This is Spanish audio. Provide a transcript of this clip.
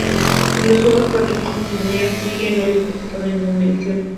En los Juegos Paralímpicos de Invierno Siria no ha participado en ninguna edición.